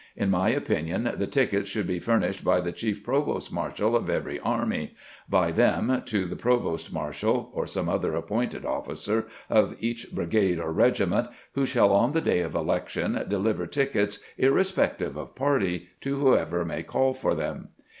In my opinion, the tickets should be furnished by the chief provost marshal of each army, by them to the provost marshal (or some other appointed officer) of each brigade or regiment, who shall, on the day of election, deliver tickets, irrespective of party, to whoever may call for them.